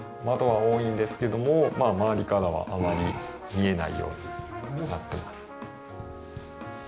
窓は多いんですけども周りからはあまり見えないようになってます。